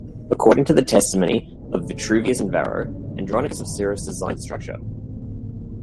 According to the testimony of Vitruvius and Varro, Andronicus of Cyrrhus designed the structure.